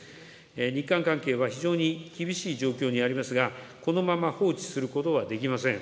日韓関係は非常に厳しい状況にありますが、このまま放置することはできません。